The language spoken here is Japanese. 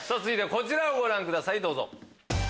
続いてはこちらをご覧くださいどうぞ。